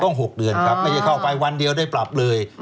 ๖เดือนครับไม่ใช่เข้าไปวันเดียวได้ปรับเลย